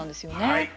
はい。